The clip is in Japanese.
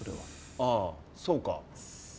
ああそうか。